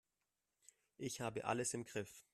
Ich habe alles im Griff.